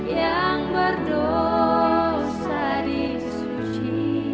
yang berdosa di suci